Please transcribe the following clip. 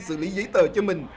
xử lý giấy tờ cho mình